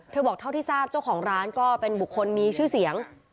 บอกเท่าที่ทราบเจ้าของร้านก็เป็นบุคคลมีชื่อเสียง